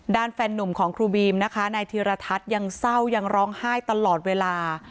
แฟนนุ่มของครูบีมนะคะนายธีรทัศน์ยังเศร้ายังร้องไห้ตลอดเวลา